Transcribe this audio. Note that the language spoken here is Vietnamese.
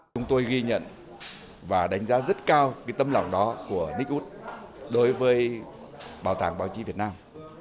chúng tôi ghi nhận và đánh giá rất cao tâm lòng đó của nick wood đối với bảo tàng báo chí việt nam